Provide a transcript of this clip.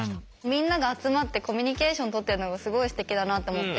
みんなが集まってコミュニケーション取ってるのがすごいすてきだなと思って。